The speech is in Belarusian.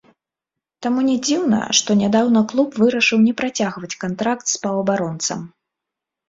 Таму не дзіўна, што нядаўна клуб вырашыў не працягваць кантракт з паўабаронцам.